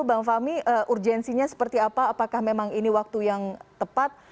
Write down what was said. bang fahmi urgensinya seperti apa apakah memang ini waktu yang tepat